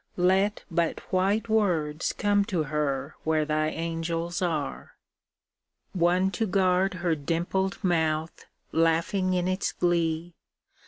Let but white words come to her where Thy angels are. One to guard her dimpled mouth, laughing in its glee.